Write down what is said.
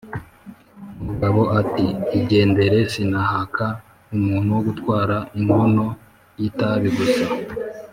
mugabo ati:”igendere sinahaka umuntu wo gutwara inkono y’ itabi gusa